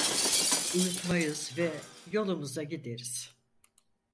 Uyutmayız ve yolumuza gideriz!